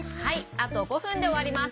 あと５ふんでおわります。